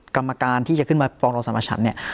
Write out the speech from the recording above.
กรรมการที่จะขึ้นมาปองรองสรรพฉันเนี่ย